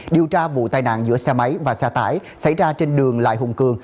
điều tra vụ tai nạn giữa xe máy và xe tải xảy ra trên đường lại hùng cường